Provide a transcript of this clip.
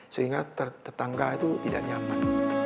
sehingga tetangga itu tidak nyaman